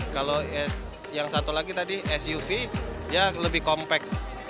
kalau yang satu lagi tadi suv dia lebih compact